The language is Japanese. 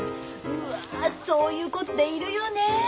うわそういう子っているよね。